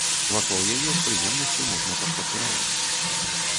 Вакол яе з прыемнасцю можна пашпацыраваць.